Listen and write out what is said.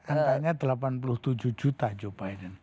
angkanya delapan puluh tujuh juta joe biden